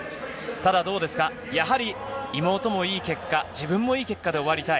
ただどうですか、やはり妹もいい結果、自分もいい結果で終わりたい。